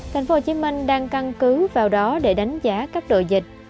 tp hcm đang căn cứ vào đó để đánh giá các đội dịch